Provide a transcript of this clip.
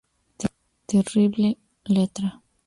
Terrible letra".